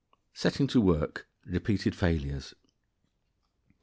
] _Setting to Work: Repeated Failures.